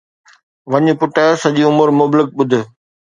وڃ پٽ، سڄي عمر مبلغ ٻڌ